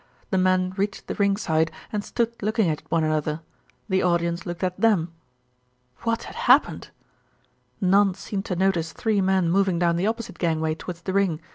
The men reached the ringside and stood looking at one another. The audience looked at them. What had happened? None seemed to notice three men moving down the opposite gangway towards the ring.